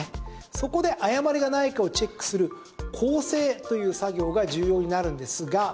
そこで、誤りがないかをチェックする校正という作業が重要になるんですが。